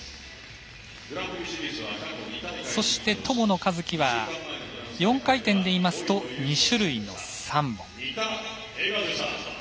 そして友野一希は４回転でいいますと２種類の３本。